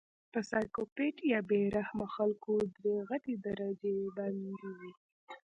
پۀ سايکو پېت يا بې رحمه خلکو درې غټې درجه بندۍ وي